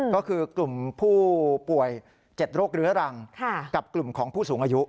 ก็คือกลุ่มผู้ป่วย๗โรคเรื้อรังกับกลุ่มของผู้สูงอายุ